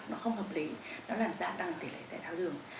nó không hợp lý nó làm giả tăng tỷ lệ tài thao đường